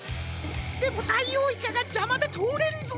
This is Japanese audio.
でもダイオウイカがじゃまでとおれんぞ。